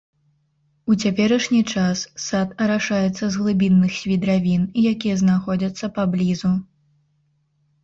У цяперашні час сад арашаецца з глыбінных свідравін, якія знаходзяцца паблізу.